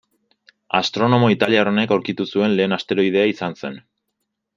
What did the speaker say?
Astronomo italiar honek aurkitu zuen lehen asteroidea izan zen.